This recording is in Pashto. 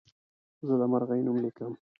زه د مرغۍ نوم لیکم.